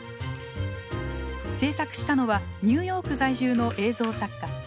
制作したのはニューヨーク在住の映像作家